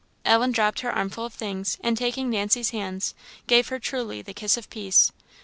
Ellen dropped her armful of things, and, taking Nancy's hands, gave her truly the kiss of peace.